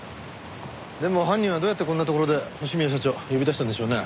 でも犯人はどうやってこんな所で星宮社長呼び出したんでしょうね？